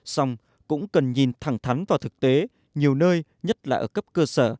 xong cũng cần nhìn thẳng thắn vào thực tế nhiều nơi nhất là ở cấp cơ sở